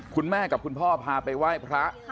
คุณพ่อกับคุณพ่อพาไปไหว้พระ